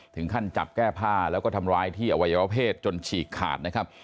ถึงขั้นจับแก้ผ้าแล้วก็ทำร้ายที่อวัยวะเพศจนฉีกขาดนะครับ